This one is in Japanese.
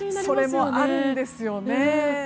それもあるんですよね。